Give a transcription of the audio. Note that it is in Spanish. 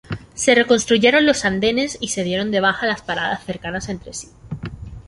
Se reconstruyeron los andenes y se dieron de baja las paradas cercanas entre sí.